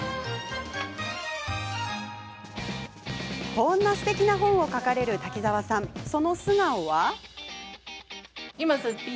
こんなすてきな本を書かれる滝沢さん、その素顔は。